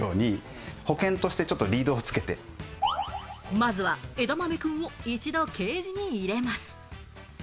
まずは、えだまめくんを一度、ケージに入れます。